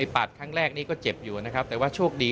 ปัดครั้งแรกนี่ก็เจ็บอยู่นะครับแต่ว่าโชคดี